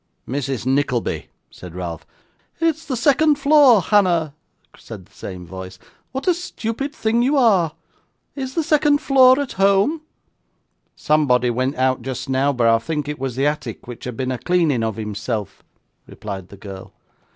'Mrs. Nickleby,' said Ralph. 'It's the second floor, Hannah,' said the same voice; 'what a stupid thing you are! Is the second floor at home?' 'Somebody went out just now, but I think it was the attic which had been a cleaning of himself,' replied the girl.